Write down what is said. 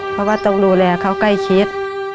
เพราะว่าต้องดูแลเขาใกล้ชิด